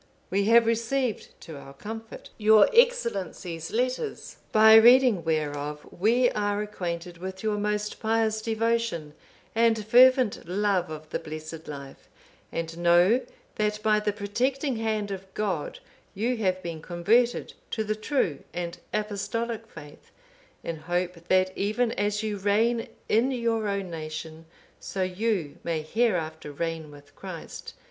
_ We have received to our comfort your Excellency's letters; by reading whereof we are acquainted with your most pious devotion and fervent love of the blessed life; and know that by the protecting hand of God you have been converted to the true and Apostolic faith, in hope that even as you reign in your own nation, so you may hereafter reign with Christ.